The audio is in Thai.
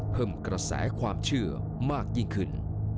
เพิ่มกระแสความเชื่อมากยิ่งขึ้น